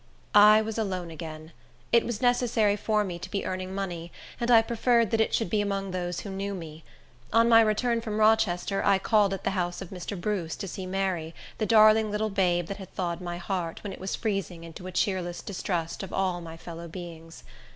I was alone again. It was necessary for me to be earning money, and I preferred that it should be among those who knew me. On my return from Rochester, I called at the house of Mr. Bruce, to see Mary, the darling little babe that had thawed my heart, when it was freezing into a cheerless distrust of all my fellow beings.